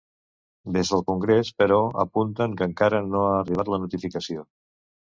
Des del congrés, però, apunten que encara no ha arribat la notificació.